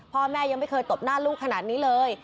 พ่อแม่ยังไม่เคยตบหน้าลูกขนาดนี้เลย